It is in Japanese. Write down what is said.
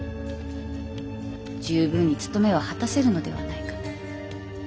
十分につとめを果たせるのではないかと。